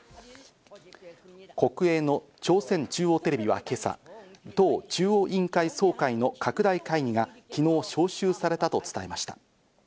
国営の朝鮮中央テレビは今朝、党中央委員会総会の拡大会議が昨日招集されたと伝えました。